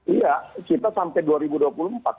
iya kita sampai dua ribu dua puluh empat